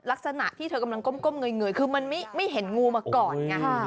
ลักษณะที่เธอกำลังก้มเงยคือมันไม่เห็นงูมาก่อนไง